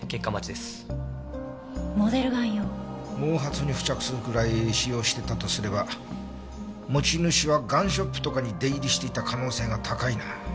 毛髪に付着するぐらい使用してたとすれば持ち主はガンショップとかに出入りしていた可能性が高いな。